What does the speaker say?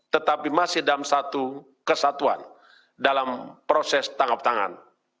tetapi masih dalam satu kesatuan dalam proses tanggap tangan